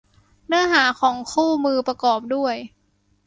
เนื้อหาของคู่มือประกอบด้วย